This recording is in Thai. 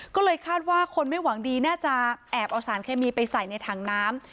ก็เลยคาดว่าคนไม่หวังดีน่าจะแอบเอาสารเคมีไปใส่ในถังน้ำ